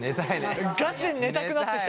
ガチで寝たくなってきた！